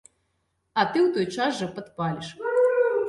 А ты ў той жа час падпаліш.